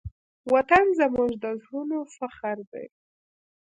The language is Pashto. وطن زموږ د زړونو فخر دی.